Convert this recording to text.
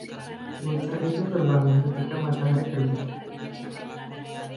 Bocah itu terbangun ketika matahari terbit.